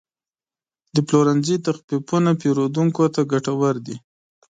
د پلورنځي تخفیفونه پیرودونکو ته ګټور دي.